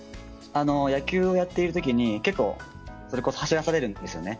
野球をやっている時に結構走らされるんです。